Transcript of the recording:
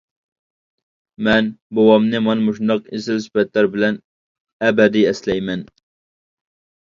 مەن بوۋامنى مانا مۇشۇنداق ئېسىل سۈپەتلەر بىلەن ئەبەدىي ئەسلەيمەن.